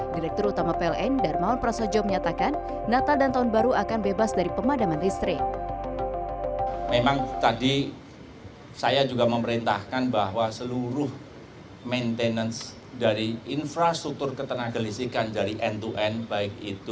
direktur utama pln darmawan prasojo menyatakan natal dan tahun baru akan bebas dari pemadaman listrik